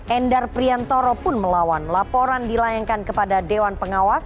endar priantoro pun melawan laporan dilayangkan kepada dewan pengawas